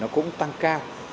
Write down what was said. cũng tăng cao